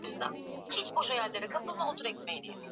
Neno usafi wa mazingira linaweza kutumika kwa kipengele maalumu tu